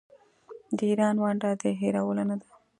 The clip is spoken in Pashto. د ایران ونډه د هیرولو نه ده.